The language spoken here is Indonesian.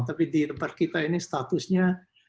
tapi di tempat kita ini statusnya